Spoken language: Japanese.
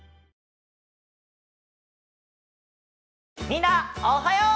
みんなおはよう！